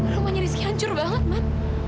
rumahnya rizky hancur banget mat